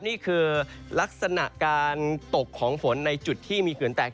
นี่คือลักษณะการตกของฝนในจุดที่มีเขื่อนแตก